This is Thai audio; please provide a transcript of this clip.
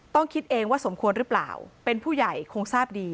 คิดเองว่าสมควรหรือเปล่าเป็นผู้ใหญ่คงทราบดี